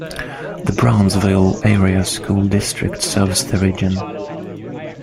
The Brownsville Area School District serves the region.